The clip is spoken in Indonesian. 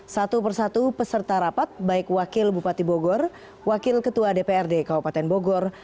satu persatu peserta rapat baik wakil bupati bogor wakil ketua dprd kabupaten bogor